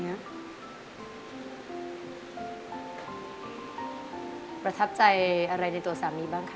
อเรนนี่ส์ประทับใจอะไรในตัวสามีบ้างคะ